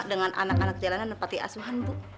dengan anak anak jalanan nepati asuhan bu